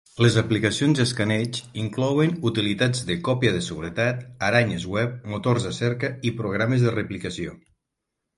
Les aplicacions d'escaneig inclouen utilitats de còpia de seguretat, aranyes web, motors de cerca i programes de replicació.